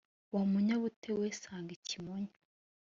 Wa munyabute we sanga ikimonyo